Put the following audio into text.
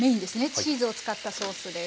チーズを使ったソースです。